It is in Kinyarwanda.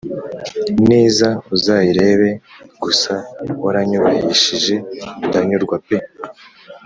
niza uzayirebe.gusa waranyubahishije ndanyurwa pe"